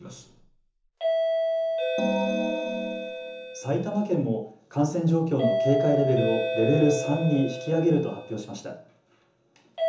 埼玉県も感染状況の警戒レベルをレベル３に引き上げると発表しました。